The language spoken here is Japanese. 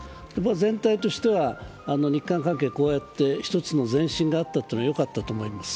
全体としては日韓関係こうやって一つの前進であったというのはよかったと思います。